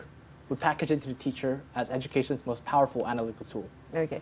kami akan menggabungkannya kepada guru sebagai alat analisis yang paling kuat dalam pendidikan